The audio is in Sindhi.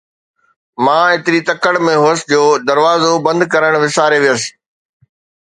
مان ايتري تڪڙ ۾ هوس جو دروازو بند ڪرڻ وساري ويس